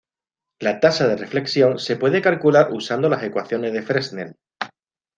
La tasa de reflexión se puede calcular usando las ecuaciones de Fresnel.